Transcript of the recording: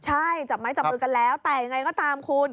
ใช่จับไม้จับมือกันแล้วแต่ยังไงก็ตามคุณ